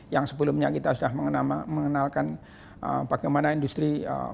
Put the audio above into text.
yang sebelumnya kita sudah mengenalkan bagaimana industri